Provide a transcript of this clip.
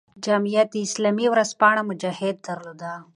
جمعیت اسلامي ورځپاڼه "مجاهد" درلوده.